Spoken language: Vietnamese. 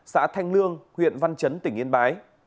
xã thanh lương huyện văn chấn tỉnh yên bái